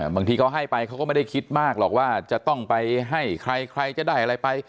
บางทีเขาให้ไปเขาก็ไม่ได้คิดมากหรอกว่าจะต้องไปให้ใครใครจะได้อะไรไป